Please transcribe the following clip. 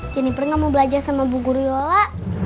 jennifer gak mau belajar sama bu guriola